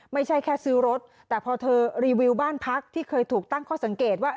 ไม่ใช่แค่ซื้อรถแต่พอเธอรีวิวบ้านพักที่เคยถูกตั้งข้อสังเกตว่า